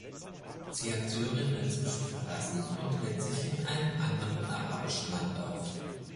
Sie hat Syrien inzwischen verlassen und hält sich in einem anderen arabischen Land auf.